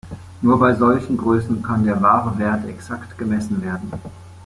Nur bei solchen Größen kann der "wahre Wert" exakt gemessen werden.